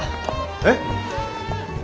えっ？